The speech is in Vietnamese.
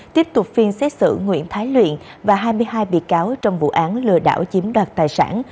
tiếp tục phiên xét xử nguyễn thái luyện và hai mươi hai bị cáo trong vụ án lừa đảo chiếm đoạt tài sản